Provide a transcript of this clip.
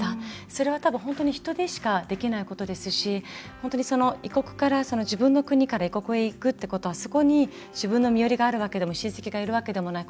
それは多分、本当に人でしかできないことですし自分の国から異国へ行くってことはそこに自分の身寄りがあるわけでも親戚がいるわけでもない。